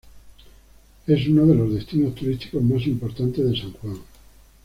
Es uno de los destinos turísticos más importantes de San Juan.